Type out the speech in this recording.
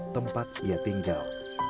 tempat ia tinggal